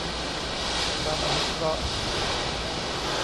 ความอนุเคราะห์